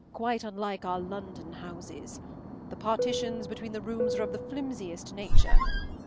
Quite unlike our London houses. The partitions between the rooms are of the flimsiest nature.